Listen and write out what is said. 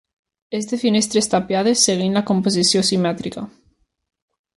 És de finestres tapiades seguint la composició simètrica.